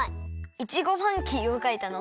イチゴファンキーをかいたの？